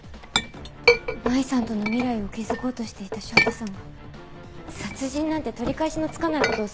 麻衣さんとの未来を築こうとしていた翔太さんが殺人なんて取り返しのつかない事するとは思えません。